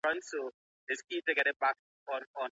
چای جوش بې اوبو نه وي.